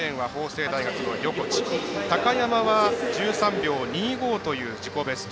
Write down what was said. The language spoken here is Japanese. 高山は１３秒２５という自己ベスト。